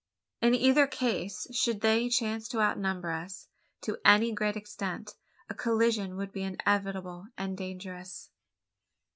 In either case should they chance to outnumber us to any great extent a collision would be inevitable and dangerous.